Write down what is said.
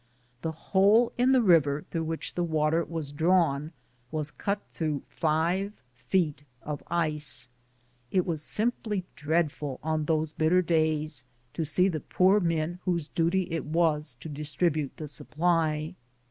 The hole in the river through which the water was drawn was cut through five feet of ice. It was simply dreadful on those bitter days to see the poor men whose duty it was to distribute the supply.